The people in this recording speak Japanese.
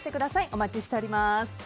お待ちしております。